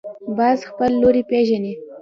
باز خپل لوری پېژني